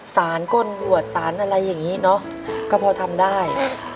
สารก้นบวชสารอะไรอย่างนี้เนอะก็พอทำได้